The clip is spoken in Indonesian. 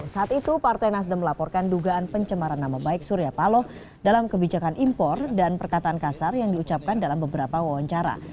saat itu partai nasdem melaporkan dugaan pencemaran nama baik surya paloh dalam kebijakan impor dan perkataan kasar yang diucapkan dalam beberapa wawancara